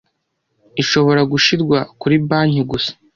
ishobora gushirwa kuri banki gusa